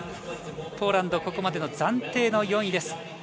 ポーランド、ここまでの暫定の４位です。